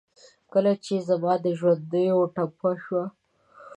کله چې زما دژوندډېوه ټپه شي